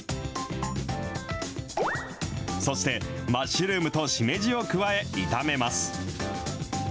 そして、マッシュルームとしめじを加え、炒めます。